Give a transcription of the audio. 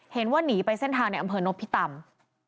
เห็นว่าหนีไปเส้นทางในอำเภอนพิตำ